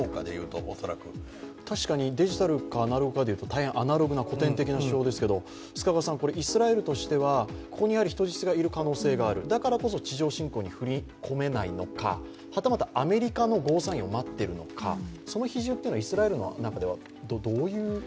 確かにデジタルか、アナログかでいうと大変アナログな古典的な手法ですが、イスラエルとしてはここに人質がいる可能性があるだからこそ地上侵攻に踏み込めないのかはたまたアメリカのゴーサインを待っているのか、その比準というのはイスラエルの中ではどういう？